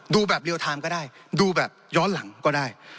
ดูแบบเรียลไทม์ก็ได้ดูแบบย้อนหลังก็ได้